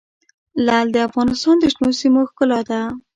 لعل د افغانستان د شنو سیمو ښکلا ده.